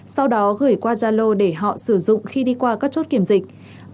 sau đó gửi qua gia lô để họ sử dụng khi đi qua các chốt kiểm dịch